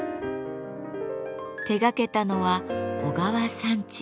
手がけたのは小川三知。